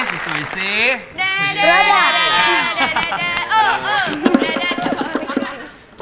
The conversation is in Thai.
เด้อเด้อเด้อเด้อเออเออเด้อเด้อเด้อเด้อ